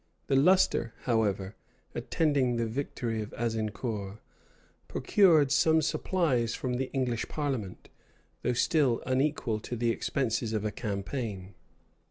The lustre, however, attending the victory of Azincour, procured some supplies from the English parliament; though still unequal to the expenses of a campaign.